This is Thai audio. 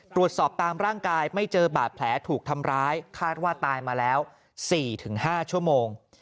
ตามร่างกายไม่เจอบาดแผลถูกทำร้ายคาดว่าตายมาแล้ว๔๕ชั่วโมง